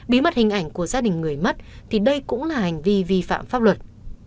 bí mật hình ảnh của gia đình người mất thì đây cũng là hành vi vi phạm pháp luật